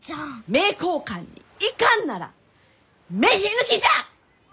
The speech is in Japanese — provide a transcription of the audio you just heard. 名教館に行かんなら飯抜きじゃ！